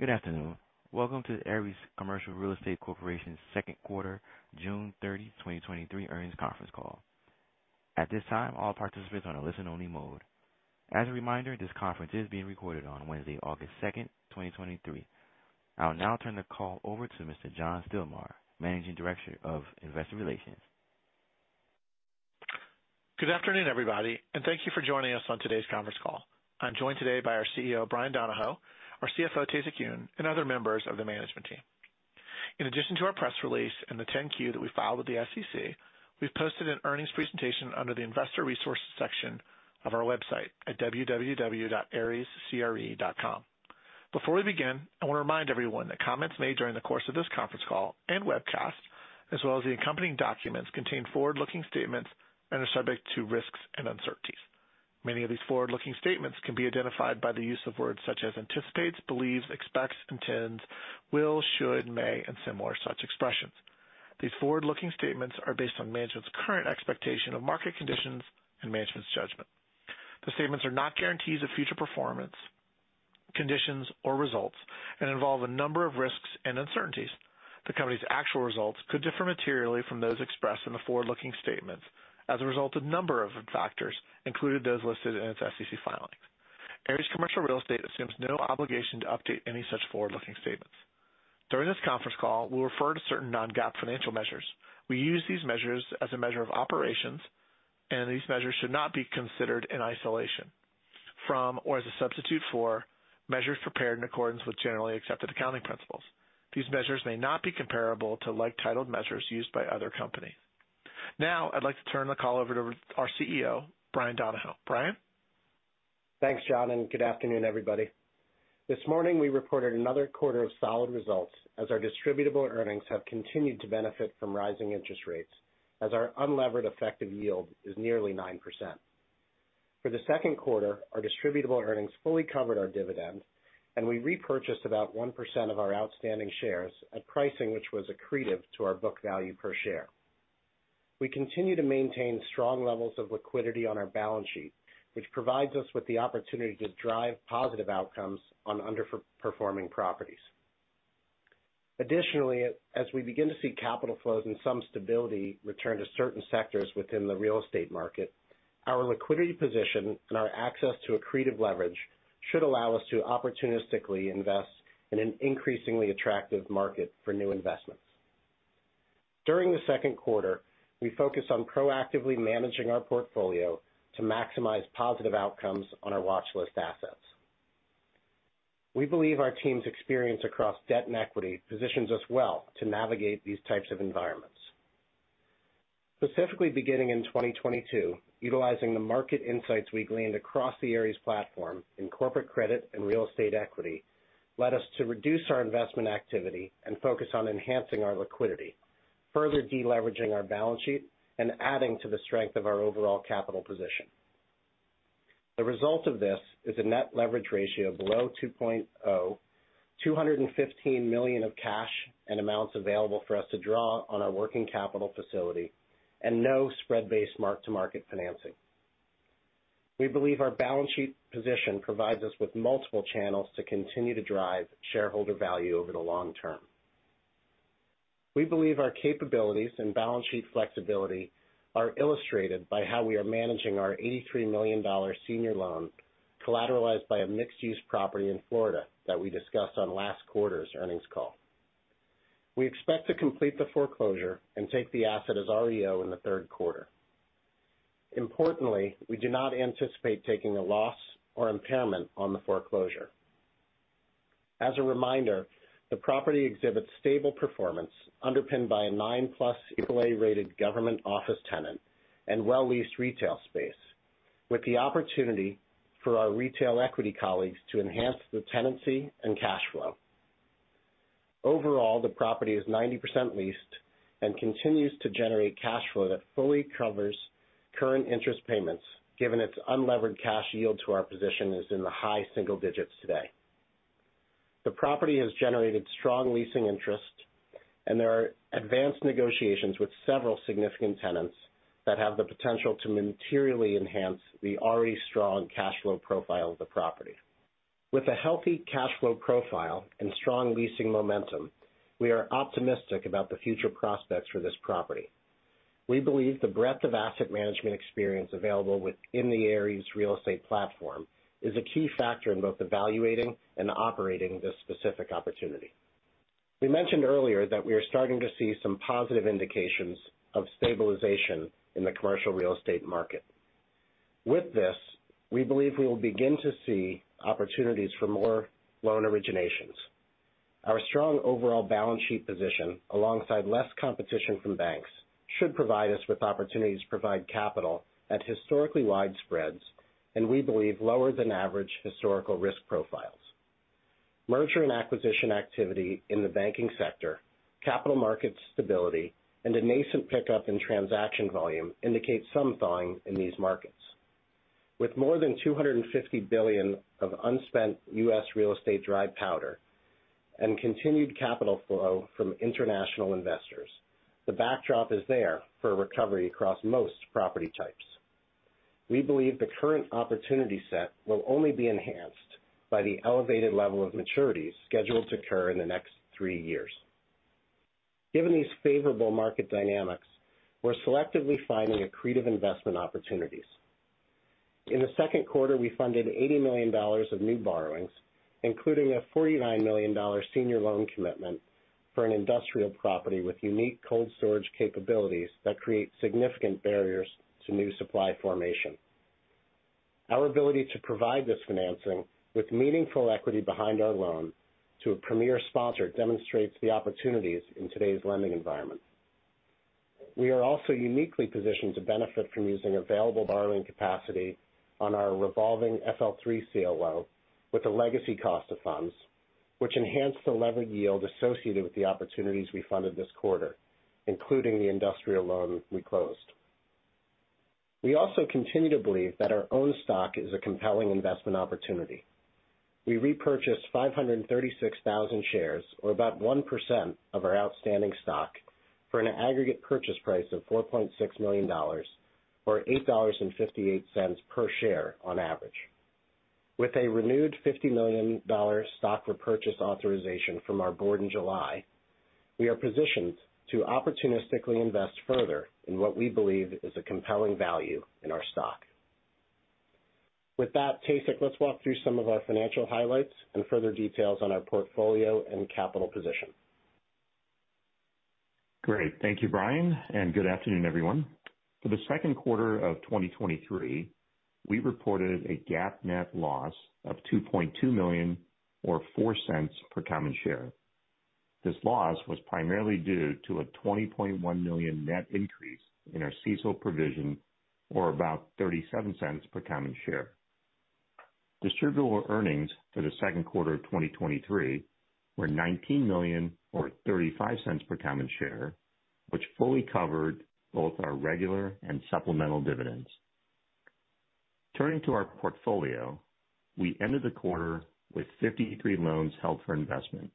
Good afternoon. Welcome to Ares Commercial Real Estate Corporation's second quarter, June 30, 2023 earnings conference call. At this time, all participants are on a listen-only mode. As a reminder, this conference is being recorded on Wednesday, August 2, 2023. I will now turn the call over to Mr. John Stillman, Managing Director of Investor Relations. Good afternoon, everybody, and thank you for joining us on today's conference call. I'm joined today by our CEO, Bryan Donohoe, our CFO, Tae-Sik Yoon, and other members of the management team. In addition to our press release and the 10-Q that we filed with the SEC, we've posted an earnings presentation under the Investor Resources section of our website at www.arescre.com. Before we begin, I want to remind everyone that comments made during the course of this conference call and webcast, as well as the accompanying documents, contain forward-looking statements and are subject to risks and uncertainties. Many of these forward-looking statements can be identified by the use of words such as anticipates, believes, expects, intends, will, should, may, and similar such expressions. These forward-looking statements are based on management's current expectation of market conditions and management's judgment. The statements are not guarantees of future performance, conditions, or results and involve a number of risks and uncertainties. The company's actual results could differ materially from those expressed in the forward-looking statements as a result of a number of factors, including those listed in its SEC filings. Ares Commercial Real Estate assumes no obligation to update any such forward-looking statements. During this conference call, we'll refer to certain non-GAAP financial measures. We use these measures as a measure of operations, and these measures should not be considered in isolation from or as a substitute for measures prepared in accordance with generally accepted accounting principles. These measures may not be comparable to like-titled measures used by other companies. Now, I'd like to turn the call over to our CEO, Bryan Donohoe. Bryan? Thanks, John, and good afternoon, everybody. This morning, we reported another quarter of solid results as our distributable earnings have continued to benefit from rising interest rates, as our unlevered effective yield is nearly 9%. For the second quarter, our distributable earnings fully covered our dividend, and we repurchased about 1% of our outstanding shares at pricing, which was accretive to our book value per share. We continue to maintain strong levels of liquidity on our balance sheet, which provides us with the opportunity to drive positive outcomes on underperforming properties. Additionally, as we begin to see capital flows and some stability return to certain sectors within the real estate market, our liquidity position and our access to accretive leverage should allow us to opportunistically invest in an increasingly attractive market for new investments. During the Q2, we focused on proactively managing our portfolio to maximize positive outcomes on our watch list assets. We believe our team's experience across debt and equity positions us well to navigate these types of environments. Specifically, beginning in 2022, utilizing the market insights we gleaned across the Ares platform in corporate credit and real estate equity, led us to reduce our investment activity and focus on enhancing our liquidity, further deleveraging our balance sheet and adding to the strength of our overall capital position. The result of this is a net leverage ratio of below 2.0x, $215 million of cash and amounts available for us to draw on our working capital facility and no spread-based mark-to-market financing. We believe our balance sheet position provides us with multiple channels to continue to drive shareholder value over the long term. We believe our capabilities and balance sheet flexibility are illustrated by how we are managing our $83 million senior loan, collateralized by a mixed-use property in Florida that we discussed on last quarter's earnings call. We expect to complete the foreclosure and take the asset as REO in the Q3. Importantly, we do not anticipate taking a loss or impairment on the foreclosure. As a reminder, the property exhibits stable performance underpinned by a +9 AAA-rated government office tenant and well-leased retail space, with the opportunity for our retail equity colleagues to enhance the tenancy and cash flow. Overall, the property is 90% leased and continues to generate cash flow that fully covers current interest payments, given its unlevered cash yield to our position is in the high single digits today. The property has generated strong leasing interest, and there are advanced negotiations with several significant tenants that have the potential to materially enhance the already strong cash flow profile of the property. With a healthy cash flow profile and strong leasing momentum, we are optimistic about the future prospects for this property. We believe the breadth of asset management experience available within the Ares Real Estate platform is a key factor in both evaluating and operating this specific opportunity. We mentioned earlier that we are starting to see some positive indications of stabilization in the commercial real estate market. With this, we believe we will begin to see opportunities for more loan originations. Our strong overall balance sheet position, alongside less competition from banks, should provide us with opportunities to provide capital at historically wide spreads and we believe lower than average historical risk profiles. Merger and acquisition activity in the banking sector, capital market stability, and a nascent pickup in transaction volume indicate some thawing in these markets. With more than $250 billion of unspent US real estate dry powder and continued capital flow from international investors, the backdrop is there for a recovery across most property types.... we believe the current opportunity set will only be enhanced by the elevated level of maturities scheduled to occur in the next three years. Given these favorable market dynamics, we're selectively finding accretive investment opportunities. In the Q2, we funded $80 million of new borrowings, including a $49 million senior loan commitment for an industrial property with unique cold storage capabilities that create significant barriers to new supply formation. Our ability to provide this financing with meaningful equity behind our loan to a premier sponsor, demonstrates the opportunities in today's lending environment. We are also uniquely positioned to benefit from using available borrowing capacity on our revolving FL3 CLO with a legacy cost of funds, which enhanced the levered yield associated with the opportunities we funded this quarter, including the industrial loan we closed. We also continue to believe that our own stock is a compelling investment opportunity. We repurchased 536,000 shares, or about 1% of our outstanding stock, for an aggregate purchase price of $4.6 million, or $8.58 per share on average. With a renewed $50 million stock repurchase authorization from our board in July, we are positioned to opportunistically invest further in what we believe is a compelling value in our stock. With that, Tae-Sik, let's walk through some of our financial highlights and further details on our portfolio and capital position. Great. Thank you, Bryan. Good afternoon, everyone. For the Q2 of 2023, we reported a GAAP net loss of $2.2 million, or $0.04 per common share. This loss was primarily due to a $20.1 million net increase in our CECL provision, or about $0.37 per common share. Distributable earnings for the second quarter of 2023 were $19 million, or $0.35 per common share, which fully covered both our regular and supplemental dividends. Turning to our portfolio, we ended the quarter with 53 loans held for investment,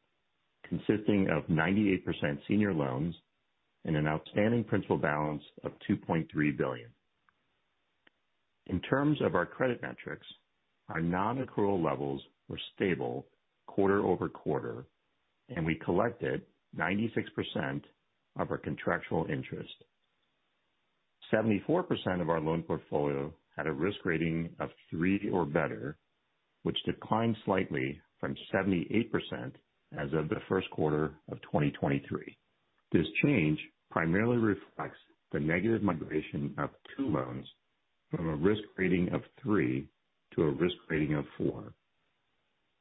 consisting of 98% senior loans and an outstanding principal balance of $2.3 billion. In terms of our credit metrics, our non-accrual levels were stable quarter-over-quarter. We collected 96% of our contractual interest. 74% of our loan portfolio had a risk rating of three or better, which declined slightly from 78% as of the first quarter of 2023. This change primarily reflects the negative migration of two loans from a risk rating of two to a risk rating of four.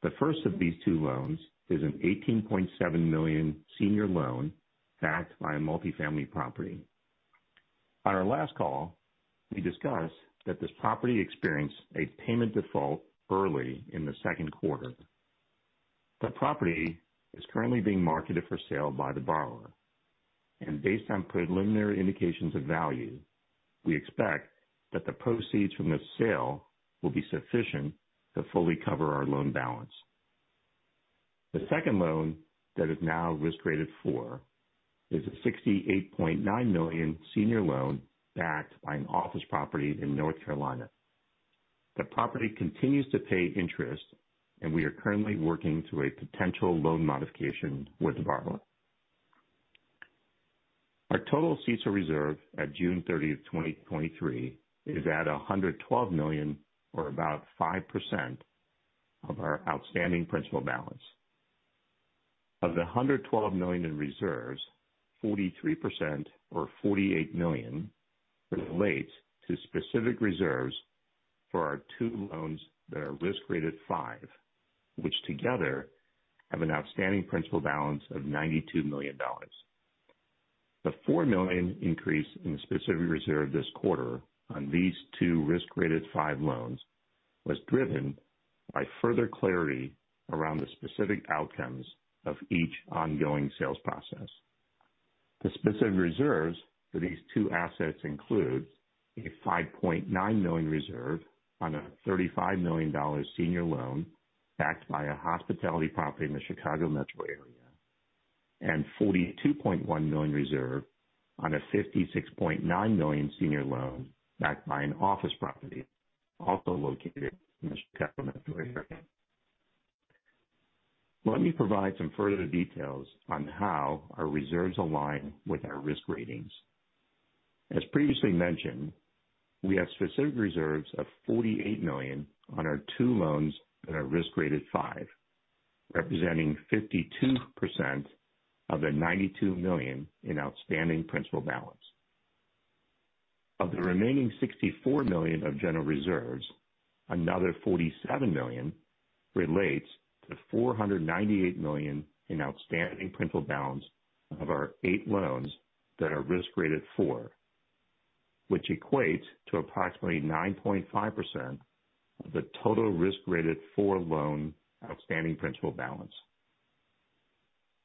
The first of these two loans is an $18.7 million senior loan backed by a multifamily property. On our last call, we discussed that this property experienced a payment default early in the second quarter. The property is currently being marketed for sale by the borrower, and based on preliminary indications of value, we expect that the proceeds from this sale will be sufficient to fully cover our loan balance. The second loan that is now risk-rated four is a $68.9 million senior loan backed by an office property in North Carolina. The property continues to pay interest, and we are currently working through a potential loan modification with the borrower. Our total CECL reserve at June 30, 2023, is at $112 million, or about 5% of our outstanding principal balance. Of the $112 million in reserves, 43%, or $48 million, relates to specific reserves for our two loans that are risk-rated five, which together have an outstanding principal balance of $92 million. The $4 million increase in the specific reserve this quarter on these two risk-rated five loans was driven by further clarity around the specific outcomes of each ongoing sales process. The specific reserves for these two assets includes a $5.9 million reserve on a $35 million senior loan backed by a hospitality property in the Chicago metro area, and $42.1 million reserve on a $56.9 million senior loan backed by an office property also located in the Chicago metro area. Let me provide some further details on how our reserves align with our risk ratings. As previously mentioned, we have specific reserves of $48 million on our two loans that are risk-rated five, representing 52% of the $92 million in outstanding principal balance. Of the remaining $64 million of general reserves, another $47 million relates to $498 million in outstanding principal balance of our eight loans that are risk-rated four, which equates to approximately 9.5% of the total risk-rated four loan outstanding principal balance.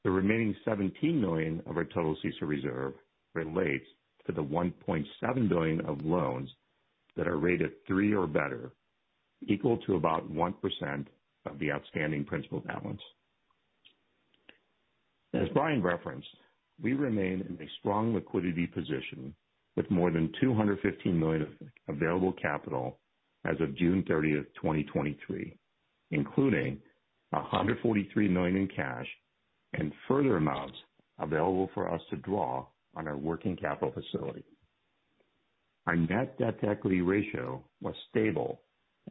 The remaining $17 million of our total CECL reserve relates to the $1.7 billion of loans that are rated three or better, equal to about 1% of the outstanding principal balance. As Bryan referenced, we remain in a strong liquidity position with more than $215 million of available capital as of June 30, 2023, including $143 million in cash and further amounts available for us to draw on our working capital facility. Our net debt-to-equity ratio was stable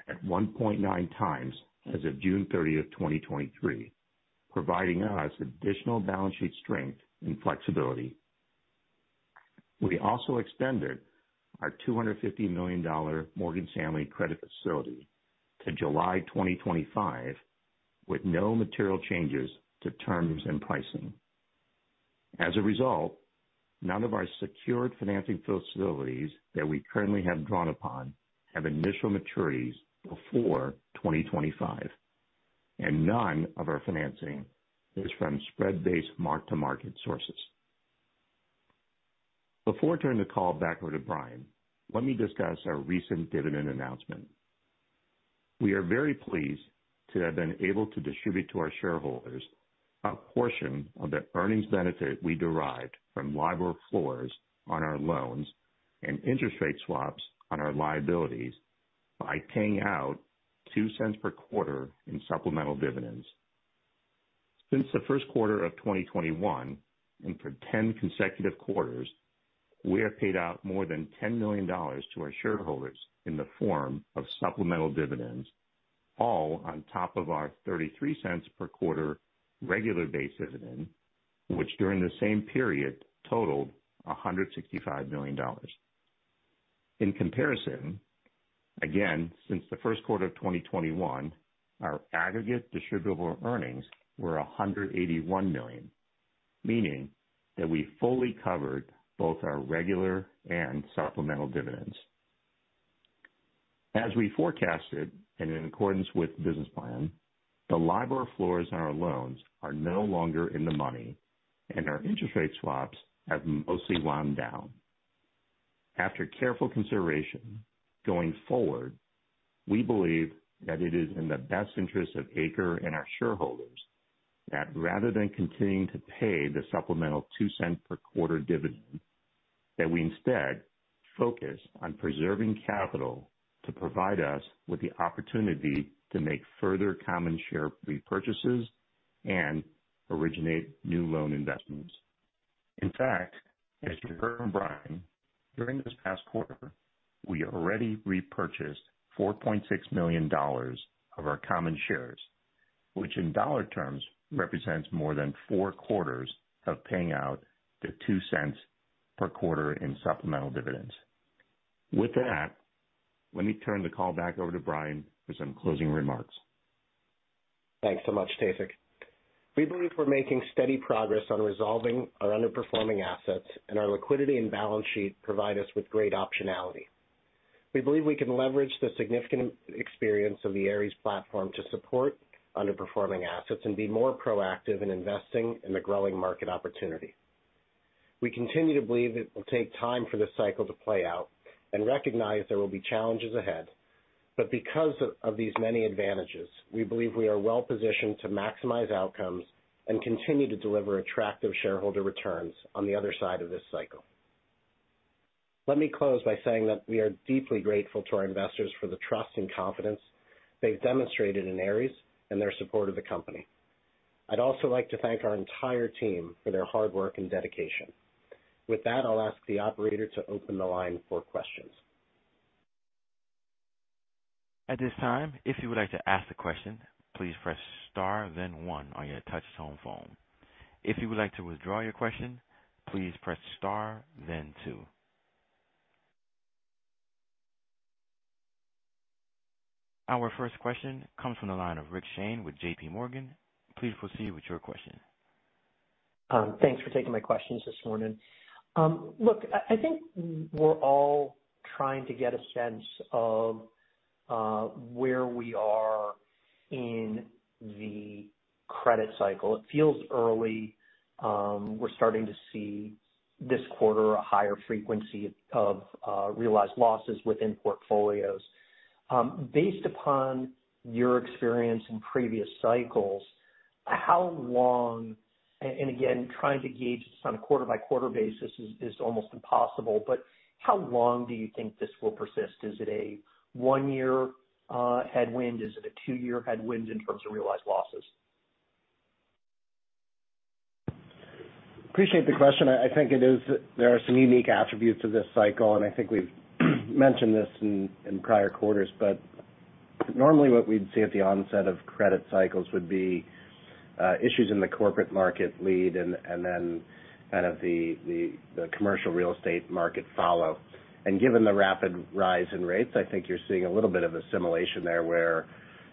at 1.9x as of June 30, 2023, providing us additional balance sheet strength and flexibility. We also extended our $250 million Morgan Stanley credit facility to July 2025, with no material changes to terms and pricing. As a result, none of our secured financing facilities that we currently have drawn upon have initial maturities before 2025, and none of our financing is from spread-based mark-to-market sources. Before turning the call back over to Bryan, let me discuss our recent dividend announcement. We are very pleased to have been able to distribute to our shareholders a portion of the earnings benefit we derived from LIBOR floors on our loans and interest rate swaps on our liabilities by paying out $0.02 per quarter in supplemental dividends. Since Q1 of 2021, and for 10 consecutive quarters, we have paid out more than $10 million to our shareholders in the form of supplemental dividends, all on top of our $0.33 per quarter regular base dividend, which during the same period totaled $165 million. In comparison, again, since Q1 of 2021, our aggregate distributable earnings were $181 million, meaning that we fully covered both our regular and supplemental dividends. As we forecasted, and in accordance with the business plan, the LIBOR floors on our loans are no longer in the money, and our interest rate swaps have mostly wound down. After careful consideration, going forward, we believe that it is in the best interest of ACRE and our shareholders that rather than continuing to pay the supplemental $0.02 per quarter dividend, that we instead focus on preserving capital to provide us with the opportunity to make further common share repurchases and originate new loan investments. In fact, as you heard from Bryan, during this past quarter, we already repurchased $4.6 million of our common shares, which in dollar terms represents more than 4 quarters of paying out the $0.02 per quarter in supplemental dividends. With that, let me turn the call back over to Bryan for some closing remarks. Thanks so much, Tae-Sik. We believe we're making steady progress on resolving our underperforming assets, and our liquidity and balance sheet provide us with great optionality. We believe we can leverage the significant experience of the Ares platform to support underperforming assets and be more proactive in investing in the growing market opportunity. We continue to believe it will take time for this cycle to play out and recognize there will be challenges ahead. Because of these many advantages, we believe we are well positioned to maximize outcomes and continue to deliver attractive shareholder returns on the other side of this cycle. Let me close by saying that we are deeply grateful to our investors for the trust and confidence they've demonstrated in Ares and their support of the company. I'd also like to thank our entire team for their hard work and dedication. With that, I'll ask the operator to open the line for questions. At this time, if you would like to ask a question, please press star then one on your touchtone phone. If you would like to withdraw your question, please press star then two. Our first question comes from the line of Rick Shane with JPMorgan. Please proceed with your question. Thanks for taking my questions this morning. Look, I, I think we're all trying to get a sense of where we are in the credit cycle. It feels early. We're starting to see this quarter a higher frequency of realized losses within portfolios. Based upon your experience in previous cycles, how long... And, and again, trying to gauge this on a quarter-by-quarter basis is, is almost impossible, but how long do you think this will persist? Is it a one year headwind? Is it a two year headwind in terms of realized losses? Appreciate the question. I think it is, there are some unique attributes to this cycle. I think we've mentioned this in prior quarters. Normally, what we'd see at the onset of credit cycles would be, issues in the corporate market lead and then kind of the commercial real estate market follow. Given the rapid rise in rates, I think you're seeing a little bit of assimilation there, where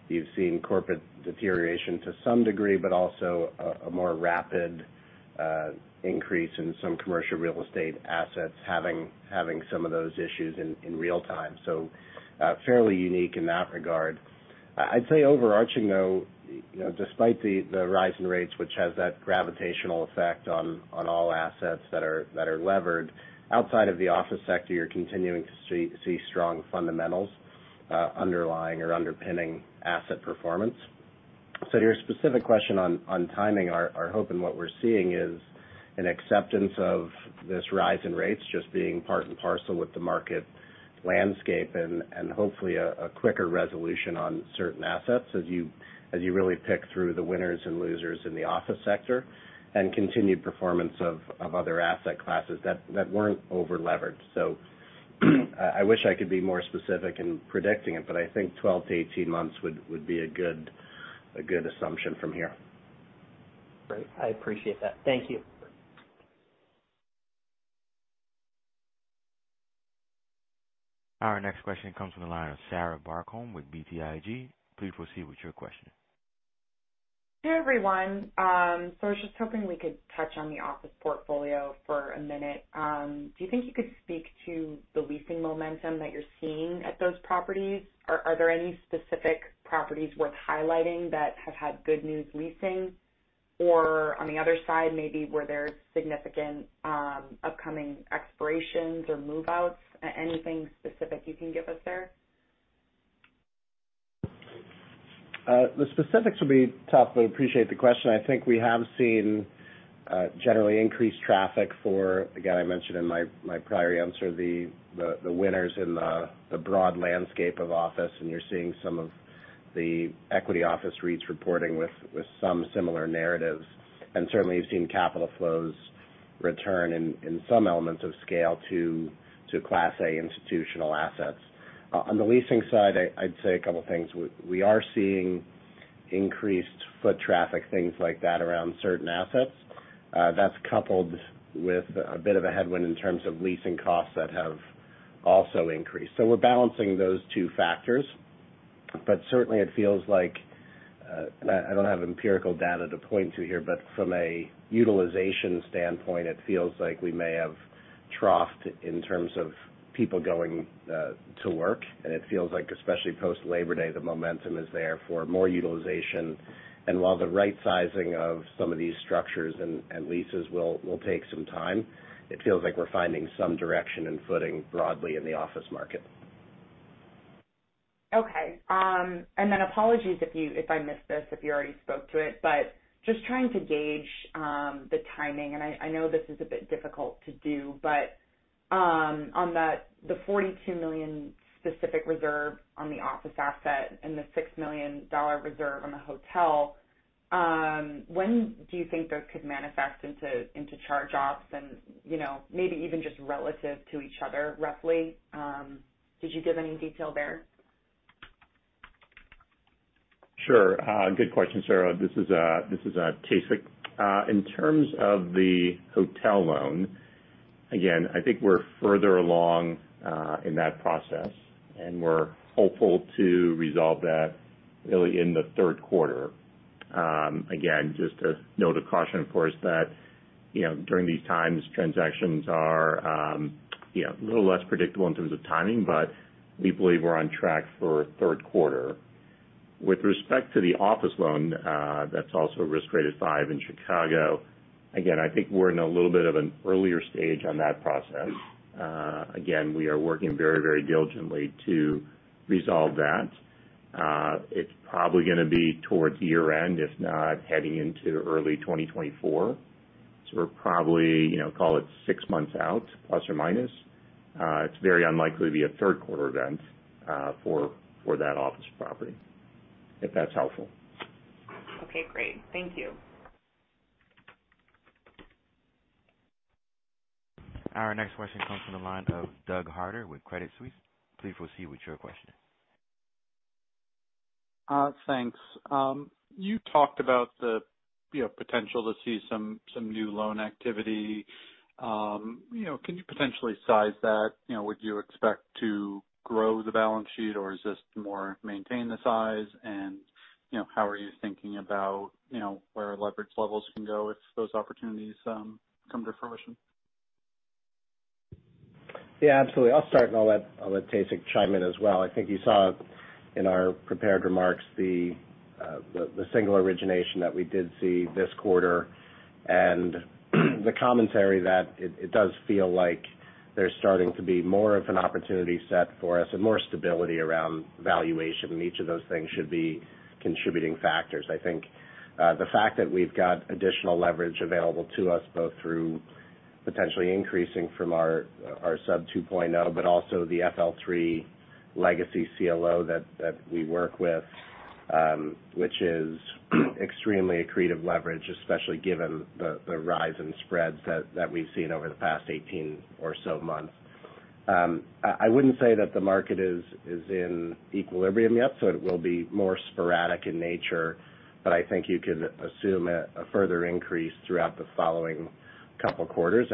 you've seen corporate deterioration to some degree, but also a more rapid increase in some commercial real estate assets having some of those issues in real time. Fairly unique in that regard. I'd say overarching, though, you know, despite the rise in rates, which has that gravitational effect on all assets that are levered, outside of the office sector, you're continuing to see strong fundamentals, underlying or underpinning asset performance. To your specific question on timing, our hope and what we're seeing is an acceptance of this rise in rates just being part and parcel with the market landscape, and hopefully a quicker resolution on certain assets as you really pick through the winners and losers in the office sector, and continued performance of other asset classes that weren't overleveraged. I wish I could be more specific in predicting it, but I think 12 to 18 months would be a good assumption from here. Great. I appreciate that. Thank you. Our next question comes from the line of Sarah Barcomb with BTIG. Please proceed with your question. Hey, everyone. I was just hoping we could touch on the office portfolio for a minute. Do you think you could speak to the leasing momentum that you're seeing at those properties? Are, are there any specific properties worth highlighting that have had good news leasing? On the other side, maybe where there's significant upcoming expirations or move-outs. Anything specific you can give us there? The specifics will be tough, but I appreciate the question. I think we have seen generally increased traffic for, again, I mentioned in my, my prior answer, the, the, the winners in the, the broad landscape of office. You're seeing some of the equity office REITs reporting with, with some similar narratives. Certainly, you've seen capital flows return in, in some elements of scale to, to Class A institutional assets. On the leasing side, I'd say a couple of things. We, we are seeing increased foot traffic, things like that, around certain assets. That's coupled with a bit of a headwind in terms of leasing costs that have also increased. We're balancing those two factors. Certainly, it feels like, and I, I don't have empirical data to point to here, but from a utilization standpoint, it feels like we may have troughed in terms of people going to work. It feels like, especially post-Labor Day, the momentum is there for more utilization. While the right sizing of some of these structures and leases will take some time, it feels like we're finding some direction and footing broadly in the office market. Okay. And then apologies if I missed this, if you already spoke to it, but just trying to gauge, the timing, and I, I know this is a bit difficult to do, but, on the, the $42 million specific reserve on the office asset and the $6 million reserve on the hotel, when do you think those could manifest into charge-offs? You know, maybe even just relative to each other, roughly. Could you give any detail there? Sure. Good question, Sarah. This is, this is Tae-Sik. In terms of the hotel loan, again, I think we're further along in that process, and we're hopeful to resolve that really in the third quarter. Again, just a note of caution, of course, that, you know, during these times, transactions are, you know, a little less predictable in terms of timing, but we believe we're on track for Q3. With respect to the office loan, that's also risk rated five in Chicago, again, I think we're in a little bit of an earlier stage on that process. Again, we are working very, very diligently to resolve that. It's probably gonna be towards year-end, if not heading into early 2024. We're probably, you know, call it six months out, plus or minus. It's very unlikely to be a third quarter event, for, for that office property, if that's helpful. Okay, great. Thank you. Our next question comes from the line of Doug Harter with Credit Suisse. Please proceed with your question. Thanks. You talked about the, you know, potential to see some, some new loan activity. You know, can you potentially size that? You know, would you expect to grow the balance sheet, or is this more maintain the size? You know, how are you thinking about, you know, where leverage levels can go if those opportunities come to fruition? Yeah, absolutely. I'll start. I'll let Tae-Sik chime in as well. I think you saw in our prepared remarks the single origination that we did see this quarter, and the commentary that it does feel like there's starting to be more of an opportunity set for us and more stability around valuation, and each of those things should be contributing factors. I think the fact that we've got additional leverage available to us, both through potentially increasing from our sub 2.0, but also the FL3 legacy CLO that we work with, which is extremely accretive leverage, especially given the rise in spreads that we've seen over the past 18 or so months. I wouldn't say that the market is in equilibrium yet, so it will be more sporadic in nature. I think you can assume a further increase throughout the following couple quarters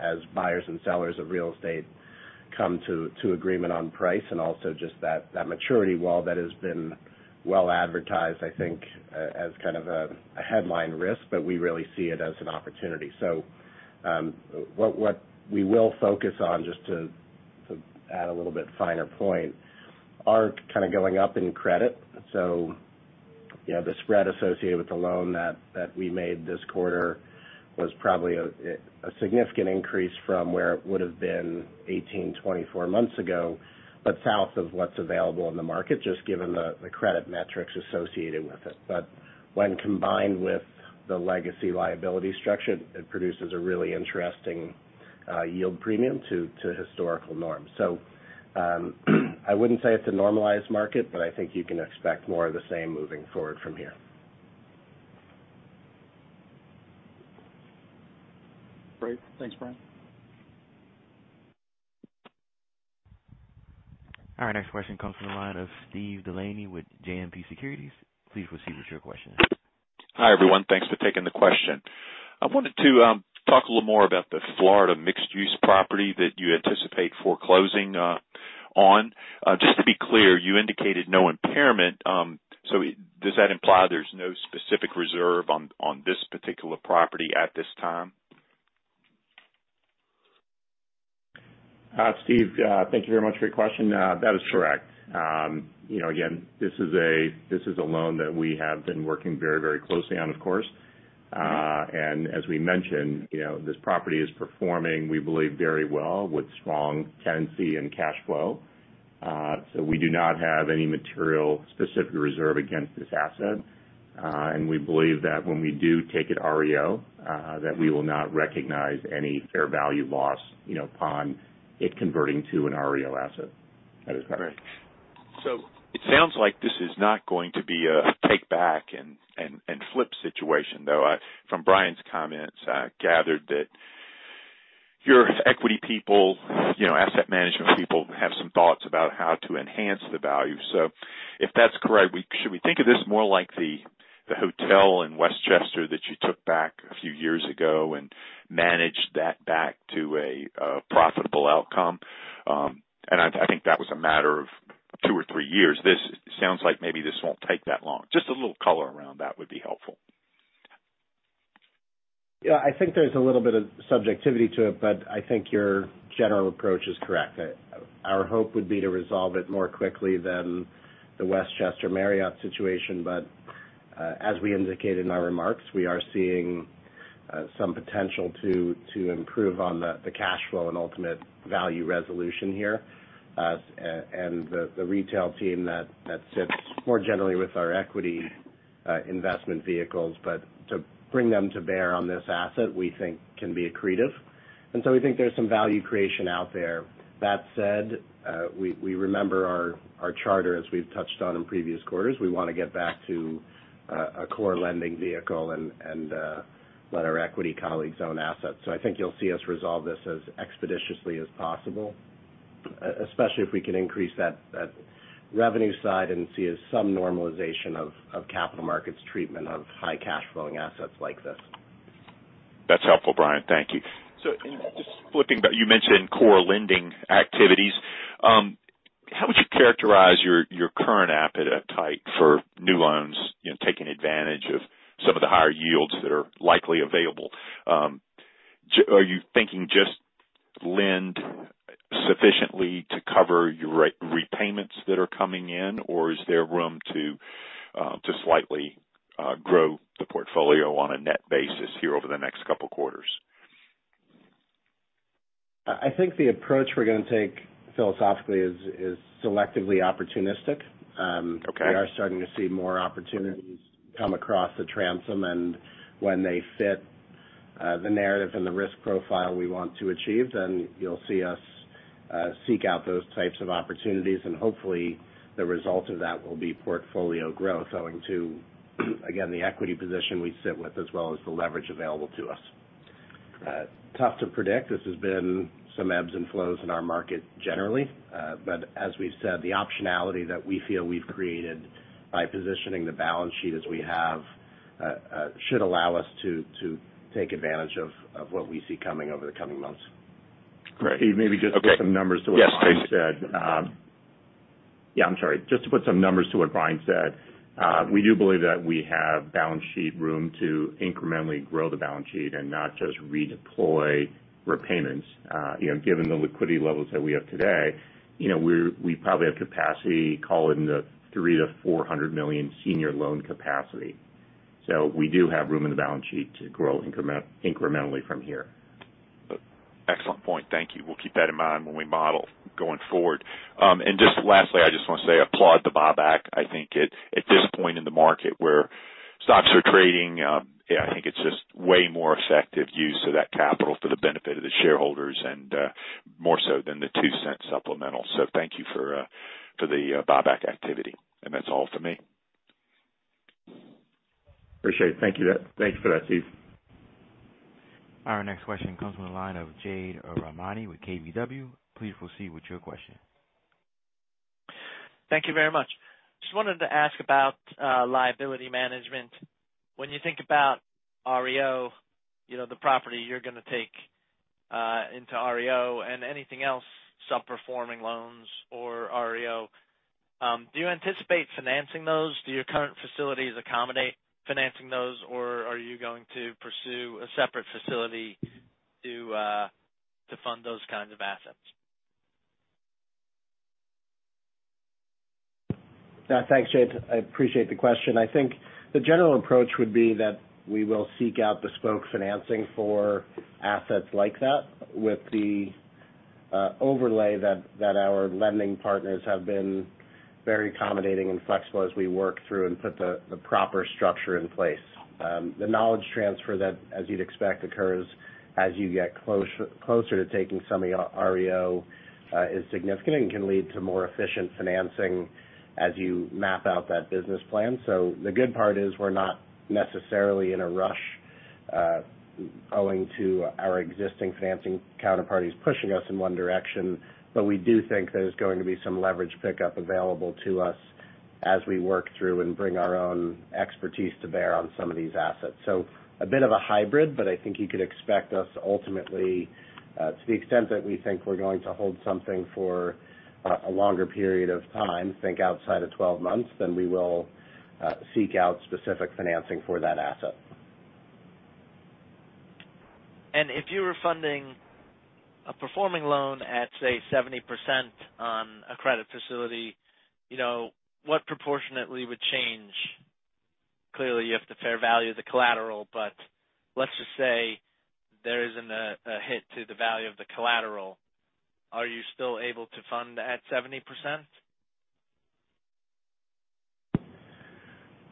as buyers and sellers of real estate come to agreement on price, and also just that maturity wall that has been well advertised, I think, as kind of a headline risk, but we really see it as an opportunity. You know, the spread associated with the loan that we made this quarter was probably a significant increase from where it would have been 18, 24 months ago, but south of what's available in the market, just given the credit metrics associated with it. When combined with the legacy liability structure, it produces a really interesting yield premium to, to historical norms. I wouldn't say it's a normalized market, but I think you can expect more of the same moving forward from here. Great. Thanks, Bryan. Our next question comes from the line of Steve Delaney with JMP Securities. Please proceed with your question. Hi, everyone. Thanks for taking the question. I wanted to talk a little more about the Florida mixed-use property that you anticipate foreclosing on. Just to be clear, you indicated no impairment. So does that imply there's no specific reserve on, on this particular property at this time? Steve, thank you very much for your question. That is correct. You know, again, this is a loan that we have been working very, very closely on, of course. As we mentioned, you know, this property is performing, we believe, very well with strong tenancy and cash flow. We do not have any material specific reserve against this asset. We believe that when we do take it REO, that we will not recognize any fair value loss, you know, upon it converting to an REO asset. That is correct. Great. It sounds like this is not going to be a take back and flip situation, though, from Bryan's comments, I gathered that your equity people, you know, asset management people, have some thoughts about how to enhance the value. If that's correct, should we think of this more like the, the hotel in Westchester that you took back a few years ago and managed that back to a profitable outcome? I, I think that was a matter of two or three years. This sounds like maybe this won't take that long. Just a little color around that would be helpful. Yeah, I think there's a little bit of subjectivity to it, but I think your general approach is correct. Our hope would be to resolve it more quickly than the Westchester Marriott situation, but as we indicated in my remarks, we are seeing some potential to improve on the cash flow and ultimate value resolution here. The retail team that sits more generally with our equity investment vehicles, but to bring them to bear on this asset, we think can be accretive. So we think there's some value creation out there. That said, we remember our charter, as we've touched on in previous quarters. We want to get back to a core lending vehicle and let our equity colleagues own assets. I think you'll see us resolve this as expeditiously as possible, especially if we can increase that, that revenue side and see some normalization of, of capital markets treatment of high cash flowing assets like this. That's helpful, Bryan. Thank you. Just flipping back, you mentioned core lending activities. How would you characterize your, your current appetite for new loans, you know, taking advantage of some of the higher yields that are likely available? Are you thinking just lend sufficiently to cover your repayments that are coming in, or is there room to slightly grow the portfolio on a net basis here over the next couple quarters? I, I think the approach we're going to take philosophically is, is selectively opportunistic. Okay. - we are starting to see more opportunities come across the transom, and when they fit, the narrative and the risk profile we want to achieve, then you'll see us, seek out those types of opportunities. Hopefully, the result of that will be portfolio growth, owing to, again, the equity position we sit with, as well as the leverage available to us. Tough to predict. This has been some ebbs and flows in our market generally, but as we've said, the optionality that we feel we've created by positioning the balance sheet as we have, should allow us to, to take advantage of, of what we see coming over the coming months. Great. Maybe just put some numbers to what Brian said. Yes, please. Yeah, I'm sorry. Just to put some numbers to what Brian said, we do believe that we have balance sheet room to incrementally grow the balance sheet and not just redeploy repayments. You know, given the liquidity levels that we have today, you know, we're, we probably have capacity, call it in the $300 million to $400 million senior loan capacity. We do have room in the balance sheet to grow incrementally from here. Excellent point. Thank you. We'll keep that in mind when we model going forward. Just lastly, I just want to say, applaud the buyback. I think at, at this point in the market where stocks are trading, yeah, I think it's just way more effective use of that capital for the benefit of the shareholders and more so than the $0.02 supplemental. Thank you for for the buyback activity. That's all for me. Appreciate it. Thank you. Thanks for that, Steve. Our next question comes from the line of Jade Rahmani with KBW. Please proceed with your question. Thank you very much. Just wanted to ask about liability management. When you think about REO, you know, the property you're going to take into REO and anything else, subperforming loans or REO, do you anticipate financing those? Do your current facilities accommodate financing those, or are you going to pursue a separate facility to fund those kinds of assets? Yeah, thanks, Jade. I appreciate the question. I think the general approach would be that we will seek out bespoke financing for assets like that with the overlay that, that our lending partners have been very accommodating and flexible as we work through and put the, the proper structure in place. The knowledge transfer that, as you'd expect, occurs as you get closer to taking some of your REO, is significant and can lead to more efficient financing as you map out that business plan. The good part is we're not necessarily in a rush, owing to our existing financing counterparties pushing us in one direction. We do think there's going to be some leverage pickup available to us as we work through and bring our own expertise to bear on some of these assets. A bit of a hybrid, but I think you could expect us ultimately, to the extent that we think we're going to hold something for, a longer period of time, think outside of 12 months, then we will, seek out specific financing for that asset. If you were funding a performing loan at, say, 70% on a credit facility, you know, what proportionately would change? Clearly, you have the fair value of the collateral, but let's just say there isn't a, a hit to the value of the collateral. Are you still able to fund at 70%?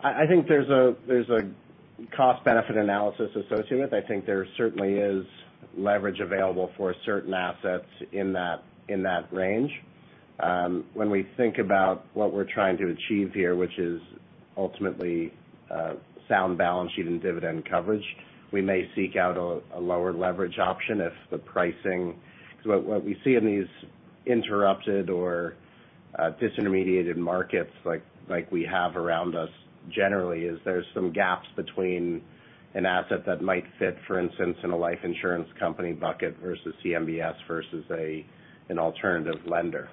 I think there's a cost-benefit analysis associated with it. I think there certainly is leverage available for certain assets in that range. When we think about what we're trying to achieve here, which is ultimately sound balance sheet and dividend coverage, we may seek out a lower leverage option if the pricing. What we see in these interrupted or disintermediated markets like we have around us generally, is there's some gaps between an asset that might fit, for instance, in a life insurance company bucket versus CMBS versus an alternative lender.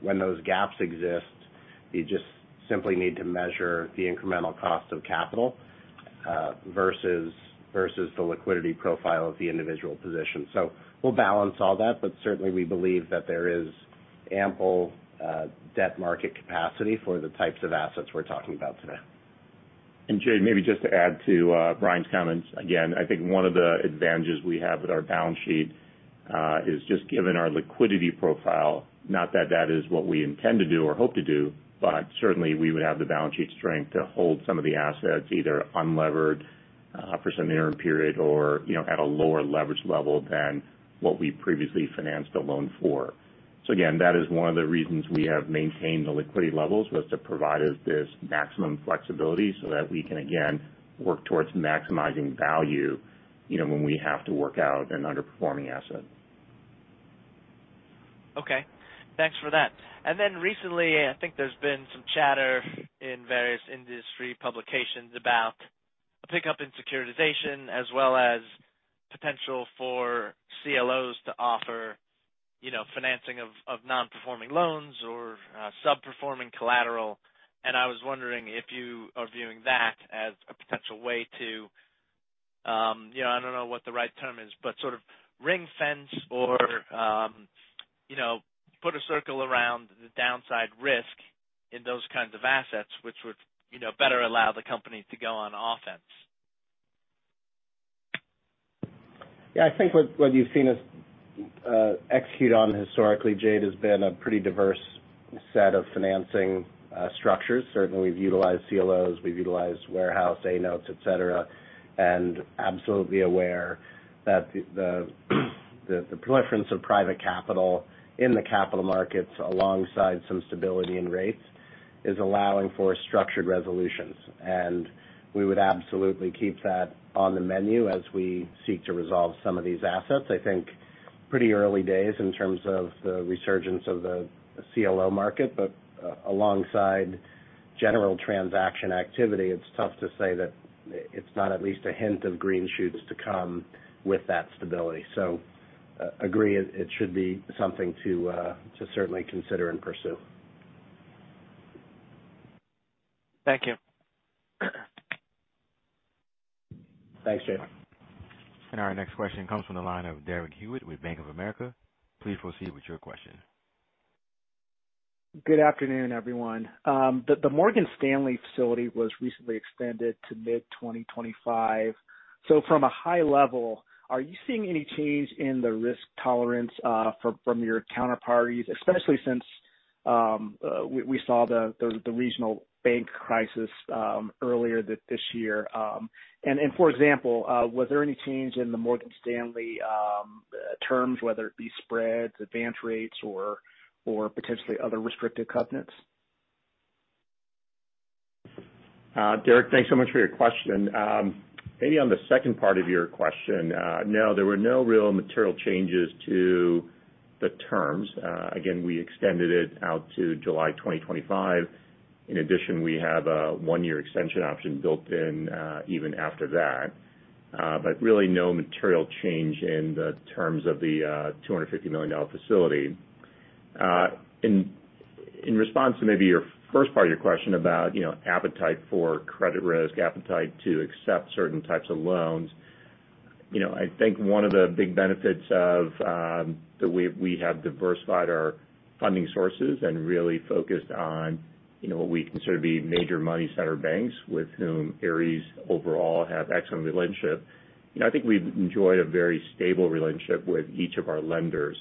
When those gaps exist, you just simply need to measure the incremental cost of capital versus the liquidity profile of the individual position. We'll balance all that, but certainly, we believe that there is ample debt market capacity for the types of assets we're talking about today. Jade, maybe just to add to Bryan's comments. Again, I think one of the advantages we have with our balance sheet is just given our liquidity profile, not that that is what we intend to do or hope to do, but certainly we would have the balance sheet strength to hold some of the assets, either unlevered for some interim period or, you know, at a lower leverage level than what we previously financed a loan for. Again, that is one of the reasons we have maintained the liquidity levels, was to provide us this maximum flexibility so that we can, again, work towards maximizing value, you know, when we have to work out an underperforming asset. Okay, thanks for that. Recently, I think there's been some chatter in various industry publications about a pickup in securitization as well as potential for CLOs to offer, you know, financing of, of non-performing loans or sub-performing collateral. I was wondering if you are viewing that as a potential way to, you know, I don't know what the right term is, but sort of ring-fence or, you know, put a circle around the downside risk in those kinds of assets, which would, you know, better allow the company to go on offense. Yeah, I think what, what you've seen us execute on historically, Jade, has been a pretty diverse set of financing structures. Certainly, we've utilized CLOs, we've utilized warehouse, A notes, etc. Absolutely aware that the preponderance of private capital in the capital markets, alongside some stability in rates, is allowing for structured resolutions. We would absolutely keep that on the menu as we seek to resolve some of these assets. I think pretty early days in terms of the resurgence of the CLO market. Alongside general transaction activity, it's tough to say that it's not at least a hint of green shoots to come with that stability. Agree it, it should be something to certainly consider and pursue. Thank you. Thanks, Jade. Our next question comes from the line of Derek Hewitt with Bank of America. Please proceed with your question. Good afternoon, everyone. The Morgan Stanley facility was recently extended to mid-2025. From a high level, are you seeing any change in the risk tolerance from your counterparties, especially since we saw the regional bank crisis earlier this year? For example, was there any change in the Morgan Stanley terms, whether it be spreads, advance rates or potentially other restrictive covenants? Derek, thanks so much for your question. Maybe on the second part of your question, no, there were no real material changes to the terms. Again, we extended it out to July 2025. In addition, we have a one-year extension option built in, even after that. Really no material change in the terms of the $250 million facility. In response to maybe your first part of your question about, you know, appetite for credit risk, appetite to accept certain types of loans. You know, I think one of the big benefits of that we, we have diversified our funding sources and really focused on, you know, what we consider to be major money center banks with whom Ares overall have excellent relationship. You know, I think we've enjoyed a very stable relationship with each of our lenders.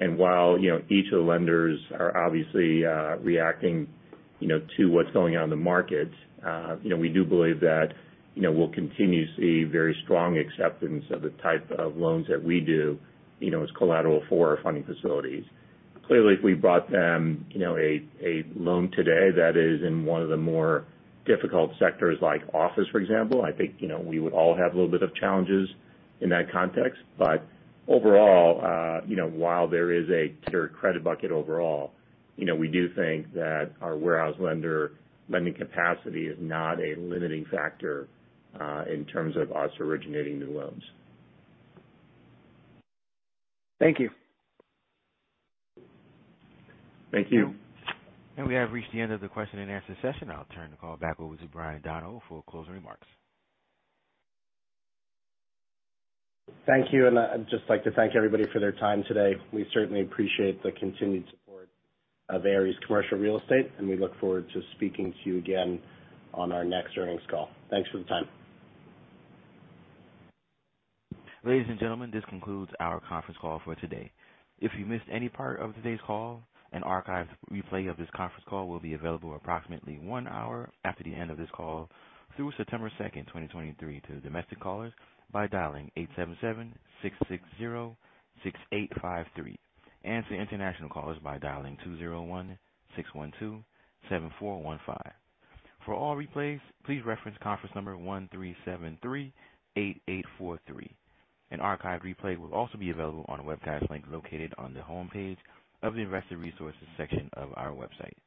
While, you know, each of the lenders are obviously reacting, you know, to what's going on in the market, you know, we do believe that, you know, we'll continue to see very strong acceptance of the type of loans that we do, you know, as collateral for our funding facilities. Clearly, if we brought them, you know, a, a loan today that is in one of the more difficult sectors, like office, for example, I think, you know, we would all have a little bit of challenges in that context. Overall, you know, while there is a credit bucket overall, you know, we do think that our warehouse lender lending capacity is not a limiting factor, in terms of us originating new loans. Thank you. Thank you. We have reached the end of the question and answer session. I'll turn the call back over to Bryan Donohoe for closing remarks. Thank you. I'd just like to thank everybody for their time today. We certainly appreciate the continued support of Ares Commercial Real Estate, and we look forward to speaking to you again on our next earnings call. Thanks for the time. Ladies and gentlemen, this concludes our conference call for today. If you missed any part of today's call, an archived replay of this conference call will be available approximately one hour after the end of this call through September 2, 2023, to domestic callers by dialing 877-660-6853, and to international callers by dialing 201-612-7415. For all replays, please reference conference number 13738843. An archived replay will also be available on a webcast link located on the homepage of the Investor Resources section of our website.